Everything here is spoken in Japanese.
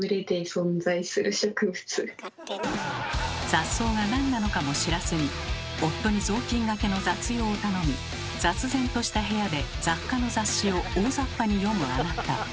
雑草がなんなのかも知らずに夫に雑巾がけの雑用を頼み雑然とした部屋で雑貨の雑誌を大雑把に読むあなた。